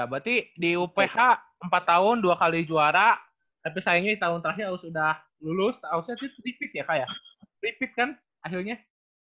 dua ribu tiga belas ya berarti di uph empat tahun dua kali juara tapi sayangnya di tahun terakhir aus udah lulus aus nya itu tiga peat ya kak ya tiga peat kan akhirnya